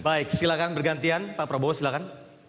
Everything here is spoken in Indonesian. ya baik silahkan bergantian pak prabowo silahkan